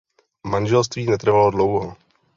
Manželství netrvalo dlouho.